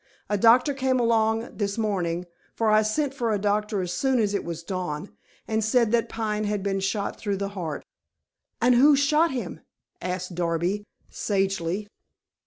A doctor came along this morning for I sent for a doctor as soon as it was dawn and said that Pine had been shot through the heart." "And who shot him?" asked Darby sagely.